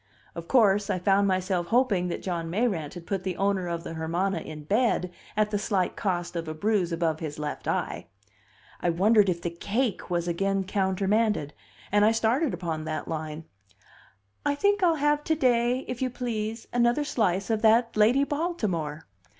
Of course, I found myself hoping that John Mayrant had put the owner of the Hermana in bed at the slight cost of a bruise above his left eye. I wondered if the cake was again countermanded, and I started upon that line. "I think I'll have to day, if you please, another slice of that Lady Baltimore."